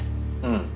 うん。